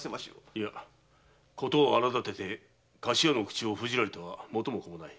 いや事を荒だてて菓子屋の口を封じられては元も子もない。